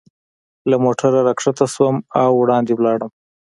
له موټره را کښته شوم او وړاندې ولاړم.